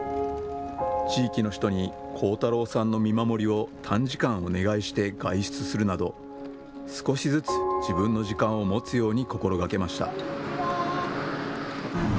地域の人に光太郎さんの見守りを短時間お願いして外出するなど少しずつ自分の時間を持つように心がけました。